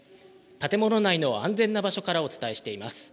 建物内の安全な場所からお伝えしています。